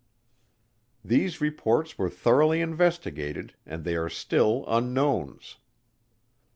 These reports were thoroughly investigated and they are still unknowns.